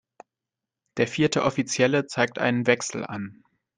Der vierte Offizielle zeigt einen Wechsel an.